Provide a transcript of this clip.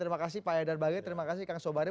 terima kasih pak haidar bagai terima kasih kang sobari